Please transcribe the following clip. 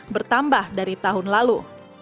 bertambah dari tahun lalu